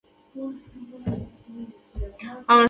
افغانستان تر هغو نه ابادیږي، ترڅو د هیواد په نوم مو ویاړ پیدا نشي.